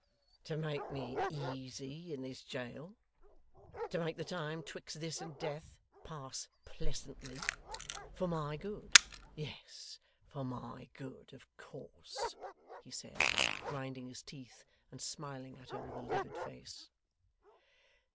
'To make me easy in this jail. To make the time 'twixt this and death, pass pleasantly. For my good yes, for my good, of course,' he said, grinding his teeth, and smiling at her with a livid face.